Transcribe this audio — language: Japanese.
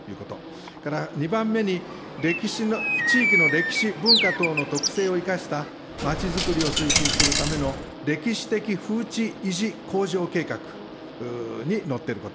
それから２番目に、地域の歴史、文化等の特性を生かしたまちづくりを推進するための歴史的ふうち維持向上計画にのっていること。